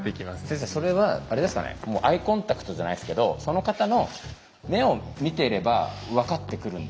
先生それはあれですかねもうアイコンタクトじゃないですけどその方の目を見てれば分かってくるんですかね？